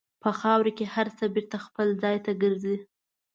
په خاوره کې هر څه بېرته خپل ځای ته ګرځي.